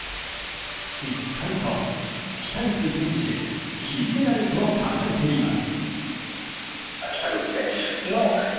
しっかりと北口選手金メダルと書かれています。